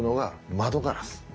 窓ガラス？